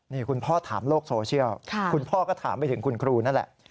นี่คุณพ่อถามโลกโซเชียลคุณพ่อก็ถามไปถึงคุณครูนั่นแหละ